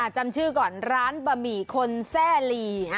จำชื่อก่อนร้านบะหมี่คนแซ่ลี